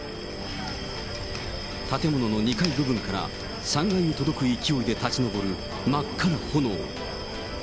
建物の２階部分から３階に届く勢いで立ち上る真っ赤な炎。